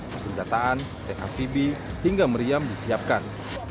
pesenjataan dan amfibi hingga meriam disiapkan